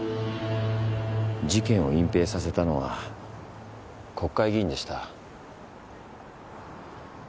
事件を隠蔽させたのは国会議員でした。